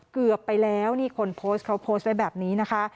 เกือบไปแล้วนี่คนโพสต์เขาโพสต์ไว้แบบนี้นะคะ